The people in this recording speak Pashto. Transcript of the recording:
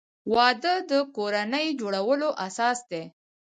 وادۀ د کورنۍ جوړولو اساس دی.